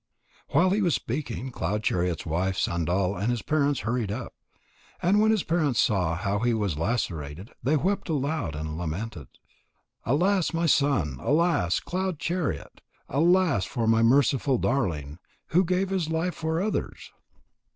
While he was speaking, Cloud chariot's wife Sandal and his parents hurried up. And when his parents saw how he was lacerated, they wept aloud and lamented: "Alas, my son! Alas, Cloud chariot! Alas for my merciful darling, who gave his life for others!"